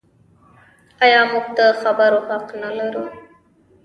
آیا موږ د خبرو حق نلرو؟